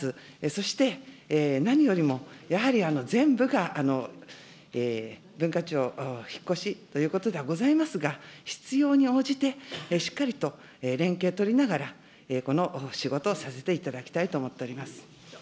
そして何よりも、やはり全部が文化庁、引っ越しということでございますが、必要に応じてしっかりと連携取りながら、この仕事をさせていただ辻元清美さん。